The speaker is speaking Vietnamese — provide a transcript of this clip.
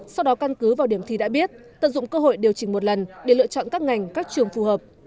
sau đó căn cứ vào điểm thi đã biết tận dụng cơ hội điều chỉnh một lần để lựa chọn các ngành các trường phù hợp